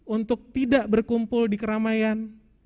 untuk tidak berkumpul di keramaian